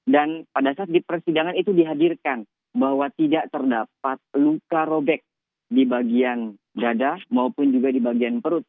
dan pada saat di persidangan itu dihadirkan bahwa tidak terdapat luka robek di bagian dada maupun juga di bagian perut